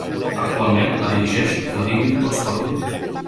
Actualment la dirigeix Vladímir Tolstoi.